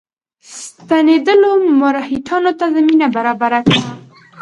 ستنېدلو مرهټیانو ته زمینه برابره کړه.